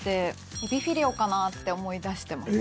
えびフィレオかなって思いだしてます。